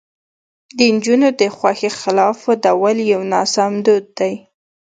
د نجونو د خوښې خلاف ودول یو ناسم دود دی.